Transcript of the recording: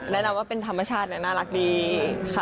นานว่าเป็นธรรมชาติน่ารักดีค่ะ